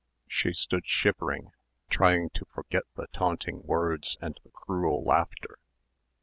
She stood shivering, trying to forget the taunting words, and the cruel laughter.